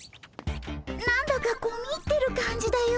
何だか込み入ってる感じだよ。